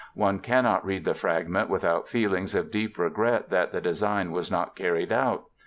One cannot read the fragment without feelings of deep regret that the design was not carried out.